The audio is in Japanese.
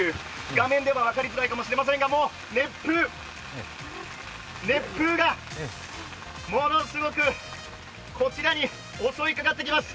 画面では分かりづらいかもしれませんが、もう熱風がものすごくこちらに、襲いかかってきます！